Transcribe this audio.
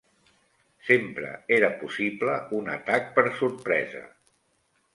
Sempre era possible un atac per sorpresa